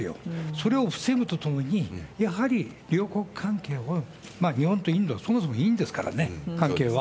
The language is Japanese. それを防ぐとともに、やはり友好関係を、日本とインド、そもそもいいんですからね、関係は。